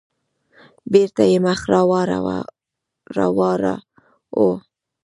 بېرته يې مخ راواړاوه.